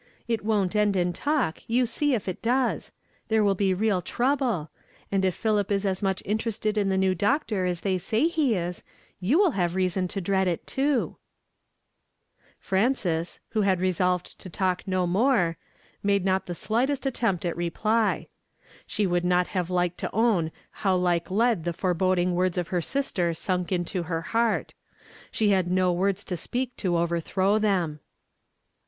It won't end in talk, you see if it does : there wall be real trouble ; and if Philip is as nnich interested in the new doctor as they say he is, you will have reason to dread it, too." Frances, who had resolved to talk no more, "HE PUT A NP:w song IN MY MOUTH." 57 made not the sliglitest attempt at reply. Slie would not have liked to own how like lead the foreboding words of her sister sunk into her heart; she had no words to speak to overthrow them.